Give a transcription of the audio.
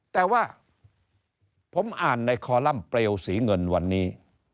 แต่ว่าผมอ่านในคอลัมป์เปลวสีเงินวันนี้